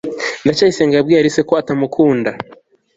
ndacyayisenga yabwiye alice ko atamukunda